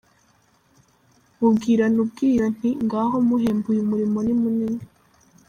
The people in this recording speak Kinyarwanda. Mubwirana ubwira nti ngaho muhembe Uyu murimo ni munini.